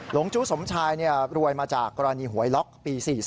จู้สมชายรวยมาจากกรณีหวยล็อกปี๔๔